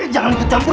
jangan liat campur